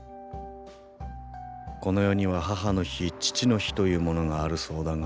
この世には母の日父の日というものがあるそうだが。